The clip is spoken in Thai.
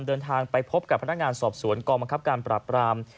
เดินทางไปพบกับพนักงานสอบสวนกองบังคับการปราบปราม